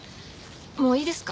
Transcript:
もういいですか？